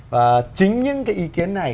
và chính những cái ý kiến này